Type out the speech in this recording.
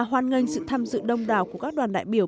hoan nghênh sự tham dự đông đảo của các đoàn đại biểu